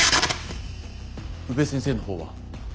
宇部先生の方は？